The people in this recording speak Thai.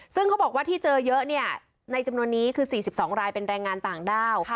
ซึ่งเขาบอกว่าที่เจอเยอะเนี่ยในจำนวนนี้คือ๔๒รายเป็นแรงงานต่างด้าว